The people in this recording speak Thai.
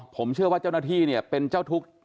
ผมเชื่อว่าเจ้าหน้าที่เนี่ยเป็นเจ้าทุกข์